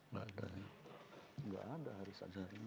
pak haris azhar